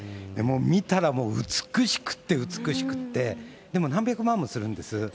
見たら美しくて美しくて、でも、何百万もするんです。